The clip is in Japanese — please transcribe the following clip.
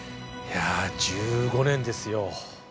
いや１５年ですよ。